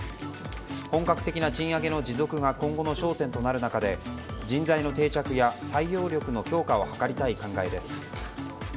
本格的な賃上げの持続が今後の焦点となる中で人材の定着や採用力の強化を図りたい考えです。